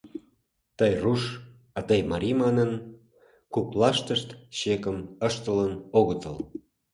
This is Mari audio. Тый руш, а тый марий, манын, коклаштышт чекым ыштылын огытыл.